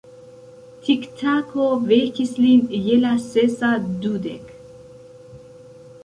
Tiktako vekis lin je la sesa dudek.